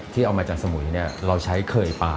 ที่เอามาจากสมุยเราใช้เคยปลา